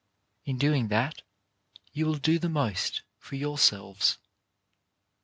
In doing that, you will do the most for yourselves.